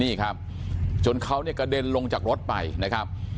นี่ครับจนเขาเนี่ยกระเด็นลงจากรถไปนะครับ